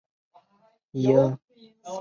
砗磲蛤属为砗磲亚科之下两个属之一。